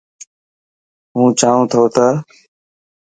هون چاهون ٿو ته.